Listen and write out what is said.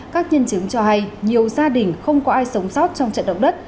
các nhân chứng cho hay nhiều gia đình không có ai sống sót trong trận động đất